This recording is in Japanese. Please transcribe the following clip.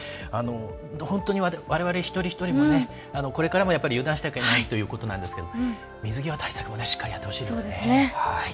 本当にわれわれ一人一人もこれからも油断してはいけないっていうことなんですけれども水際対策をしっかりやってほしいですね。